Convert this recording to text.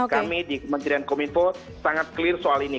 kami di kementerian kominfo sangat clear soal ini